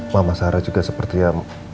mama sarah juga sepertinya